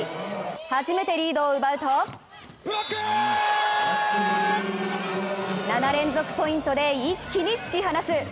初めてリードを奪うと７連続ポイントで一気に突き放す。